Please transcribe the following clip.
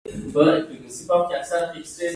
کله چې د اومو موادو اندازه زیاته وي